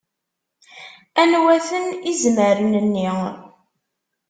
Anwa-ten izmaren-nni?